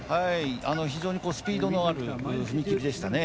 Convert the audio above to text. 非常にスピードのある踏み切りでしたね。